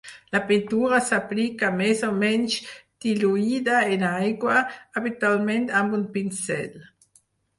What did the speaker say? La pintura s'aplica més o menys diluïda en aigua, habitualment amb un pinzell.